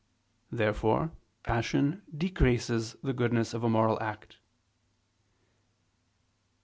Therefore passion decreases the goodness of a moral act. Obj.